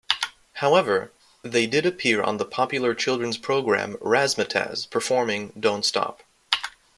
However, they did appear on the popular children's programme, "Razzmatazz" performing "Don't Stop".